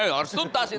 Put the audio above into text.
harus tuntas itu